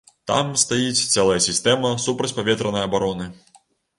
Там стаіць цэлая сістэма супрацьпаветранай абароны!